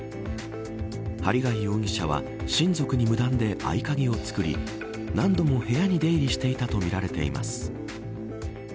針谷容疑者は親族に無断で合鍵を作り何度も部屋に出入りしていたとみられています。